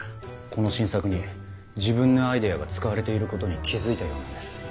この新作に自分のアイデアが使われていることに気付いたようなんです。